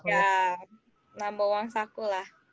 nambah uang saku lah